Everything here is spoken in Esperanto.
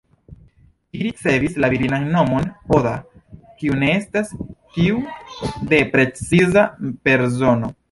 Ĝi ricevis la virinan nomon ""Oda"", kiu ne estas tiu de preciza persono.